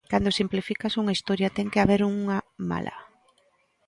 Cando simplificas unha historia ten que haber unha mala.